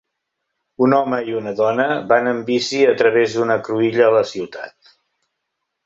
Un home i una dona van en bici a través d'una cruïlla a la ciutat.